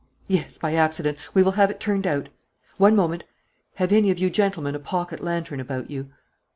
"Yes, by accident. We will have it turned out." "One moment. Have any of you gentlemen a pocket lantern about you?